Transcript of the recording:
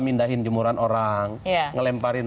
mindahin jemuran orang ngelemparin